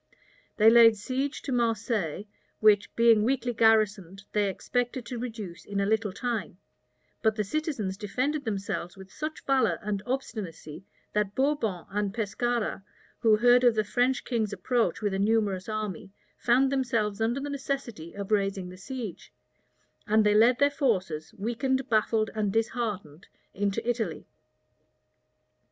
They laid siege to Marseilles, which, being weakly garrisoned, they expected to reduce in a little time; but the citizens defended themselves with such valor and obstinacy, that Bourbon and Pescara, who heard of the French king's approach with a numerous army, found themselves under the necessity of raising the siege; and they led their forces, weakened, baffled, and disheartened, into Italy.